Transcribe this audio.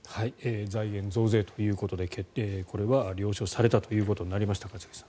財源、増税ということでこれは了承されたということになりました、一茂さん。